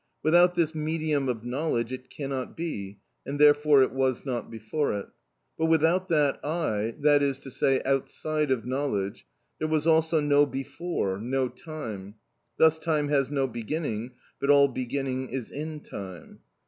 Without this medium of knowledge it cannot be, and therefore it was not before it. But without that eye, that is to say, outside of knowledge, there was also no before, no time. Thus time has no beginning, but all beginning is in time.